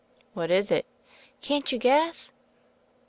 "What is it?" "Can't you guess?"